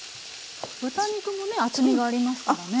豚肉もね厚みがありますからね。